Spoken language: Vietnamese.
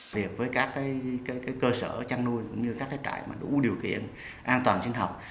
điều kiện với các cơ sở trăn nuôi cũng như các trại đủ điều kiện an toàn sinh học